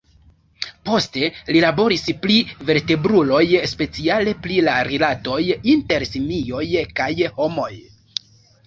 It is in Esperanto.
Poste, li laboris pri vertebruloj, speciale pri la rilatoj inter simioj kaj homoj.